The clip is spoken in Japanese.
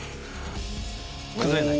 崩れない。